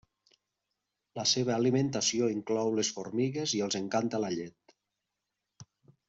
La seva alimentació inclou les formigues i els encanta la llet.